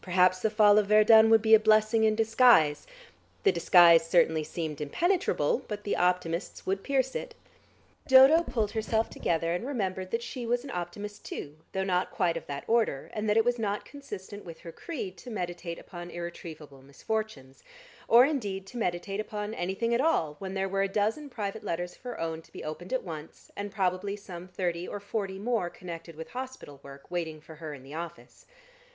Perhaps the fall of Verdun would be a blessing in disguise. The disguise certainly seemed impenetrable, but the optimists would pierce it.... Dodo pulled herself together, and remembered that she was an optimist too, though not quite of that order, and that it was not consistent with her creed to meditate upon irretrievable misfortunes, or indeed to meditate upon anything at all when there were a dozen private letters of her own to be opened at once, and probably some thirty or forty more connected with hospital work, waiting for her in the office.